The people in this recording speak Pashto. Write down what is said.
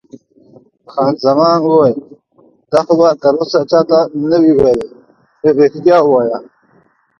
خان زمان وویل: تا خو به تراوسه چا ته نه وي ویلي؟ رښتیا وایه.